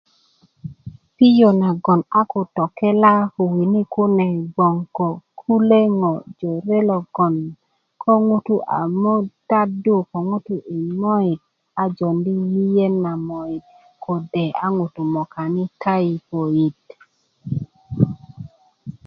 piöŋ nagon a ko tokela ko wini kune gbon ko kule ŋo jore logon ko ŋutu a matadu ko ŋutu i moyit a joundi miyen na moyit a tindi ŋutu i moka na tayipot